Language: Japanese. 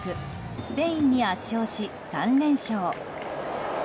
スペインに圧勝し３連勝。